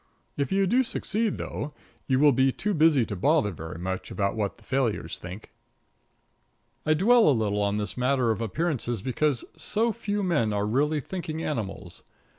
If you do succeed, though, you will be too busy to bother very much about what the failures think. I dwell a little on this matter of appearances because so few men are really thinking animals.